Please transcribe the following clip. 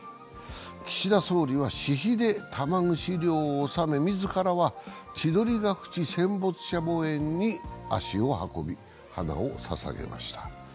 岸田総理は、私費で玉串料を納め自らは千鳥ヶ淵戦没者墓苑に足を運び、花をささげました。